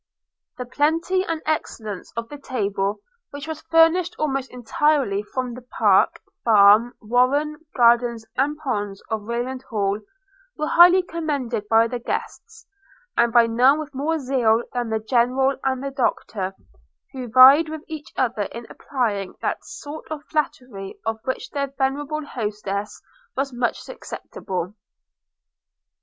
The plenty and excellence of the table, which was furnished almost entirely from the park, farm, warren, gardens, and ponds of Rayland Hall, were highly commended by the guests, and by none with more zeal than the General and the Doctor, who vied with each other in applying that sort of flattery of which their venerable hostess was most susceptible.